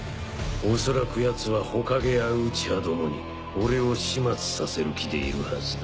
恐らくヤツは火影やうちはどもに俺を始末させる気でいるはずだ。